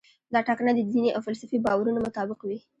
دا ټاکنه د دیني او فلسفي باورونو مطابق وي.